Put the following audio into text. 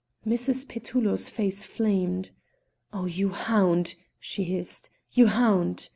Mrs. Petullo's face flamed. "Oh, you hound!" she hissed, "you hound!"